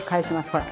ほら。